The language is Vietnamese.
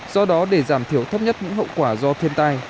do đó để giảm thiểu thấp nhất những hậu quả do thiên tai